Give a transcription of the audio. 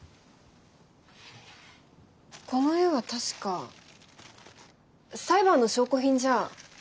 この絵は確か裁判の証拠品じゃ？